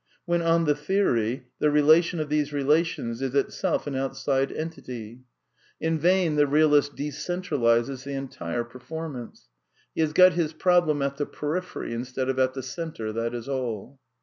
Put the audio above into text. When, on the theory, the relation of these relations is itself an outside entity ? THE NEW KEALISM 215 In vain the realist decentralizes the entire performance. ^^ He has got his problem at the periphery instead of at the''"^^ centre, that is all.